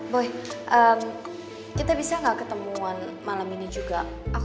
boy kita bisa nggak ketemuan malam ini juga